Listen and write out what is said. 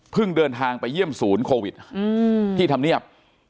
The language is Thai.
เดินทางไปเยี่ยมศูนย์โควิดที่ทำเนียบ